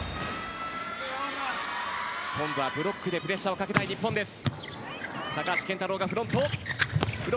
ブロックでプレッシャーをかけたい日本です。